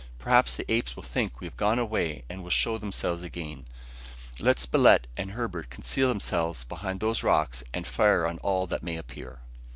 "Perhaps the apes will think we have gone quite away and will show themselves again. Let Spilett and Herbert conceal themselves behind those rocks and fire on all that may appear."